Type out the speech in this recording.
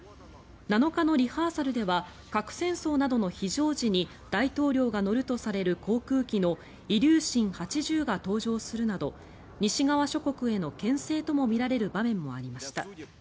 ７日のリハーサルでは核戦争などの非常時に大統領が乗るとされる航空機のイリューシン８０が登場するなど西側諸国へのけん制ともみられる場面もありました。